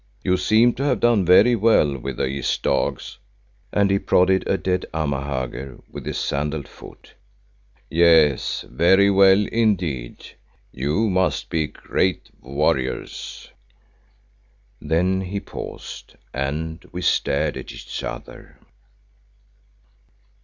You seem to have done very well with these dogs," and he prodded a dead Amahagger with his sandalled foot. "Yes, very well indeed. You must be great warriors." Then he paused and we stared at each other.